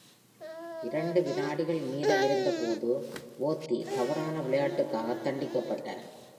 இரண்டு விநாடிகள் மீதமிருந்தபோது, Worthy தவறான விளையாட்டுக்காகத் தண்டிக்கப்பட்டார்.